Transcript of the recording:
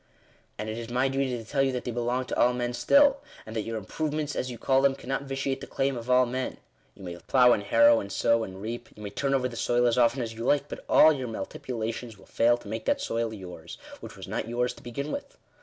And it is my duty to tell you that they belong to all men still ; and that your ,' improvements' as you call them, cannot vitiate the claim of all men. You may plough and harrow, and sow and reap ; you may turn over the soil as often as you like ; but all your ma nipulations will fail to make that soil yours, which was not yours to begin with.